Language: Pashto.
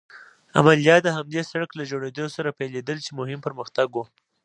عملیات د همدې سړک له جوړېدو سره پيلېدل چې مهم پرمختګ و.